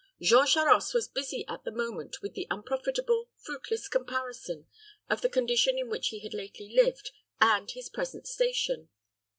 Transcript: Jean Charost was busy at the moment with the unprofitable, fruitless comparison of the condition in which he had lately lived and his present station.